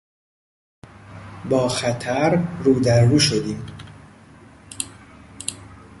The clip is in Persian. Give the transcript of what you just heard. با خطر رودررو شدیم.